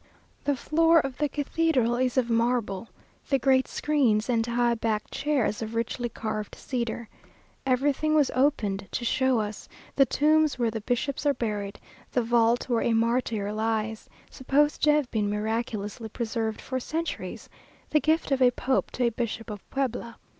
The floor of the cathedral is of marble the great screens and high backed chairs of richly carved cedar. Everything was opened to show us; the tombs where the bishops are buried; the vault where a martyr lies, supposed to have been miraculously preserved for centuries, the gift of a pope to a bishop of Puebla.